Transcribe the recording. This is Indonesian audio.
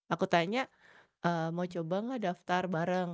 aku tanya mau coba gak daftar bareng